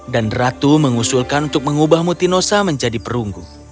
dan ratu mengusulkan untuk mengubah mutinosa menjadi perunggu